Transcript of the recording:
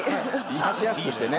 立ちやすくしてね